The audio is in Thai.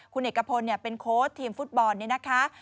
คุณเอกพลเป็นโค้ชทีมฟุตบอลเนี่ยนะคะ